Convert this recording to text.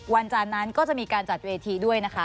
จานนั้นก็จะมีการจัดเวทีด้วยนะคะ